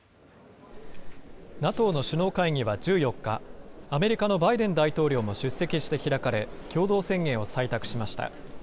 ＮＡＴＯの首脳会議は１４日、アメリカのバイデン大統領も出席して開かれ、共同宣言を採択しました。